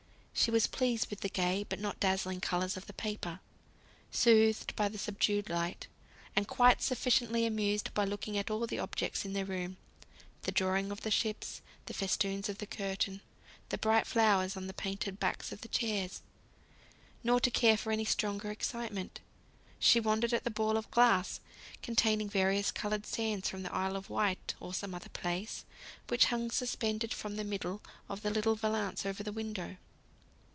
She was pleased with the gay but not dazzling colours of the paper; soothed by the subdued light; and quite sufficiently amused by looking at all the objects in the room, the drawing of the ships, the festoons of the curtain, the bright flowers on the painted backs of the chairs, to care for any stronger excitement. She wondered at the ball of glass, containing various coloured sands from the Isle of Wight, or some such place, which hung suspended from the middle of the little valance over the window.